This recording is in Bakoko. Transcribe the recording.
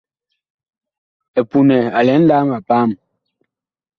EPUNƐ a lɛ nlaam a paam.